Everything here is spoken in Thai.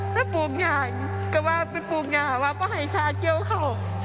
และปลูกหงามก็ว่าเป็นปลูกหงาว่าพระอาจารย์ชาติเกี่ยวข้าว